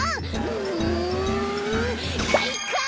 うんかいか！